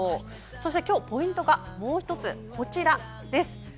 そしてきょう、ポイントがもう一つ、こちらです。